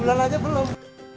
bulan aja belum